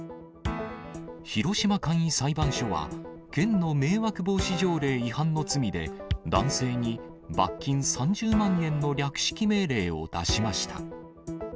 広島簡易裁判所は、県の迷惑防止条例違反の罪で、男性に罰金３０万円の略式命令を出しました。